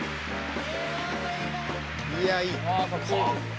いやいい！